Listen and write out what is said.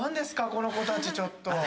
この子たちちょっと。